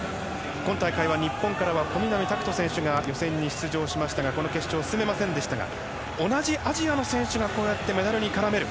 今大会は日本から小南拓人選手が予選に出場しましたがこの決勝に進めませんでしたが同じアジアの選手がこうやってメダルに絡める。